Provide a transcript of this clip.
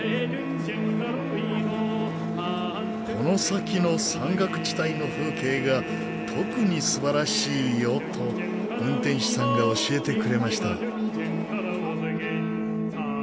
この先の山岳地帯の風景が特に素晴らしいよと運転士さんが教えてくれました。